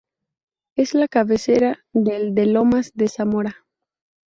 Es la cabecera del de Lomas de Zamora.